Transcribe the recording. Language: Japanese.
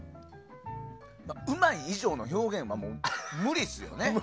うまい以上の表現は無理っすよね。